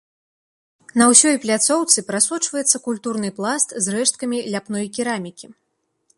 На ўсёй пляцоўцы прасочваецца культурны пласт з рэшткамі ляпной керамікі.